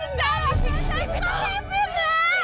enggak kamu itu livi ya livi